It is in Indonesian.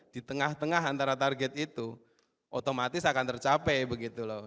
di tengah tengah antara target itu otomatis akan tercapai begitu loh